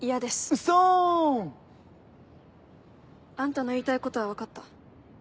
ウソ！あんたの言いたいことは分かった。